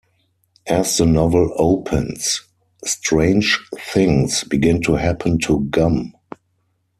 As the novel opens, strange things begin to happen to Gumm.